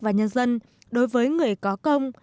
và nhân dân đối với người có công